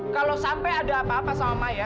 kalau sampai ada apa apa sama ya